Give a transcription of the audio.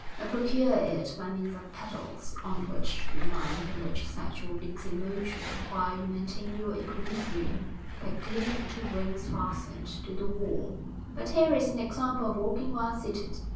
I procure it by means of pedals on which you mount and which set your legs in motion while you maintain your equilibrium by clinging to rings fastened to the wall. But here is an example of walking while seated."